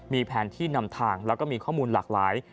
มีแผนที่นำทางแล้วก็มีข้อมูลหลากหลาย